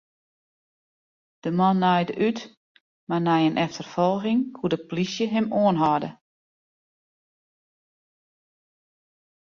De man naaide út, mar nei in efterfolging koe de plysje him oanhâlde.